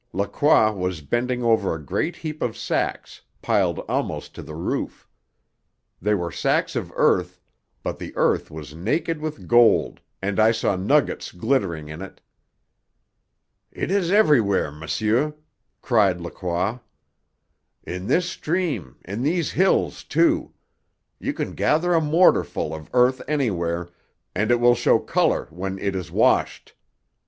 Lacroix was bending over a great heap of sacks, piled almost to the roof. They were sacks of earth, but the earth was naked with gold, and I saw nuggets glittering in it. "It is everywhere, monsieur!" cried Lacroix. "In this stream, in these hills, too. You can gather a mortarful of earth anywhere, and it will show colour when it is washed.